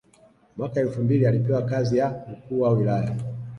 Mwaka elfu mbili alipewa kazi ya Ukuu wa Wilaya